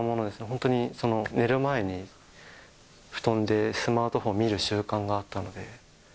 本当に寝る前に布団でスマートフォン見る習慣があったので。